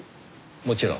もちろん。